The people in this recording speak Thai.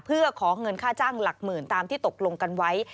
เพื่อขอเงินค่าจ้างหลักหมื่นตามที่ตกลงกันไว้